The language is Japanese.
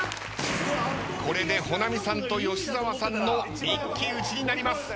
これで保奈美さんと吉沢さんの一騎打ちになります。